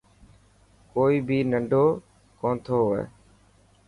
ڪوئي بهي ننڊو ڪونٿو هئي.